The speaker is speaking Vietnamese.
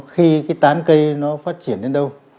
khi cái tán cây nó phát triển đến đâu